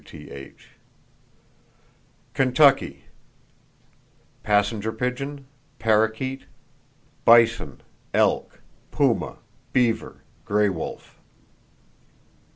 —(W.T.H.)) Kentucky: Passenger pigeon, parrakeet; bison, elk, puma, beaver, gray wolf.